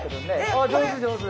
ああ上手上手！